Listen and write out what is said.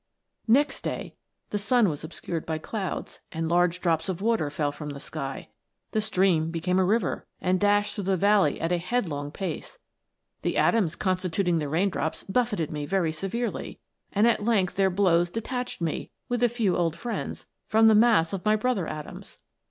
" Next day the sun was obscured by clouds, and large drops of water fell from the sky. The stream became a river, and dashed through the valley at a headlong pace. The atoms constituting the rain drops biiffeted me very severely, and at length their blows detached me, with a few old friends, from the mass of my brother atoms.